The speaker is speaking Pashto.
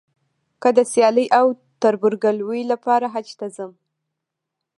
که د سیالۍ او تربورګلوۍ لپاره حج ته ځم.